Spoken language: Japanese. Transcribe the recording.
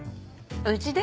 うちで？